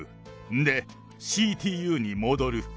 んでＣＴＵに戻る。